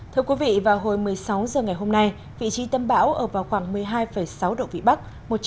thưa quý vị vào hồi một mươi sáu h ngày hôm nay vị trí tâm bão ở vào khoảng một mươi hai sáu độ vĩ bắc